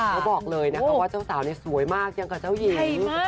เขาบอกเลยนะคะว่าเจ้าสาวเนี่ยสวยมากอย่างกับเจ้าหญิง